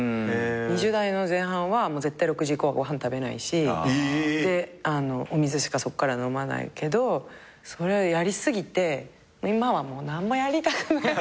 ２０代の前半は絶対６時以降はご飯食べないしお水しかそっからは飲まないけどそれやり過ぎて今はもう何もやりたくない。